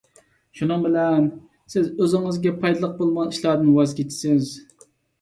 شۇنىڭ بىلەن، سىز ئۆزىڭىزگە پايدىلىق بولمىغان ئىشلاردىن ۋاز كېچىسىز.